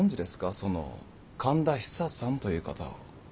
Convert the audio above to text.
その神田ヒサさんという方を。